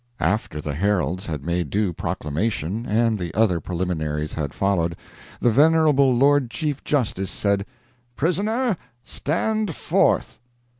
After the heralds had made due proclamation and the other preliminaries had followed, the venerable Lord Chief justice said: "Prisoner, stand forth!"